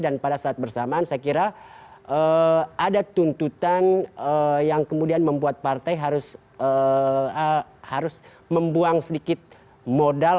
dan pada saat bersamaan saya kira ada tuntutan yang kemudian membuat partai harus membuang sedikit modal